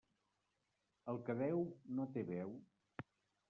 El que deu, no té veu.